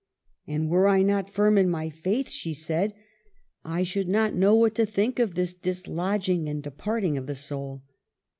" And were I not firm in my faith," she said, " I should not know what to think of this dis lodging and departing of the soul."